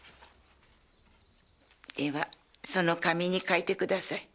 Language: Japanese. ではその紙に書いてください。